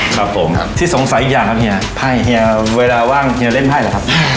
ครับผมที่สงสัยอีกอย่างครับเฮียไพ่เฮียเวลาว่างเฮียเล่นไพ่หรือครับ